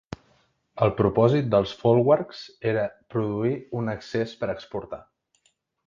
El propòsit dels folwarks era produir un excés per exportar.